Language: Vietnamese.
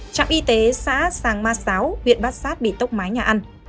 trạm y tế xã sàng ma sáo huyện bát sát bị tốc mái nhà ăn